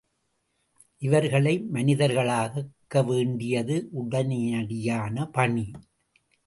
இவர்களை மனிதர்களாக்க வேண்டியது உடனடியான பணி!